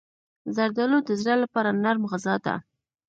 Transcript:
زردالو د زړه لپاره نرم غذا ده.